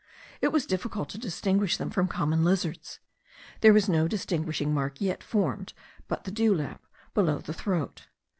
It was difficult to distinguish them from common lizards. There was no distinguishing mark yet formed but the dewlap below the throat.